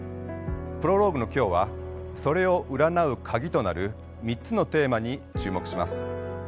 プロローグの今日はそれを占う鍵となる３つのテーマに注目します。